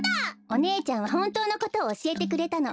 お姉ちゃんはほんとうのことをおしえてくれたの。